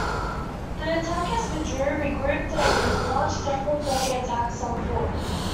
The attackers withdrew, regrouped, and launched several further attacks on foot.